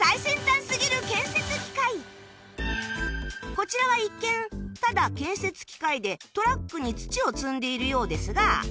こちらは一見ただ建設機械でトラックに土を積んでいるようですが